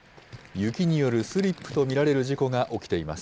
雪によるスリップと見られる事故が起きています。